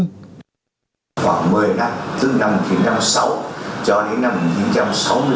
khoảng một mươi năm từ năm một nghìn chín trăm năm mươi sáu cho đến năm một nghìn chín trăm sáu mươi bảy